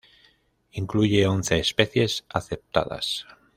Incluye once especies aceptadas.